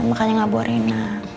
makanya gak boleh nak